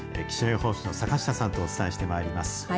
気象予報士の坂下さんとお伝えしてまいります。